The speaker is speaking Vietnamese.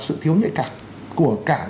sự thiếu nhạy cảm của cả